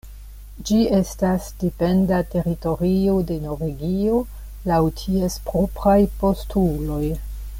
Ĝi estas dependa teritorio de Norvegio laŭ ties propraj postuloj.